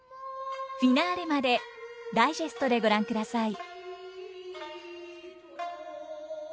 フィナーレまでダイジェストでご覧ください。